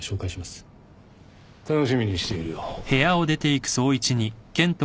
楽しみにしているよ。